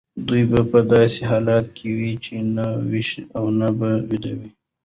دی په داسې حالت کې و چې نه ویښ و او نه ویده.